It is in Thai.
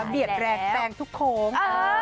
เบียดแรงแซงทุกโค้ง